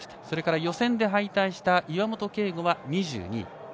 それから、予選で敗退した岩本啓吾は２２位。